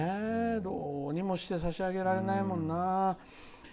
どうにもしてさしあげられないもんな。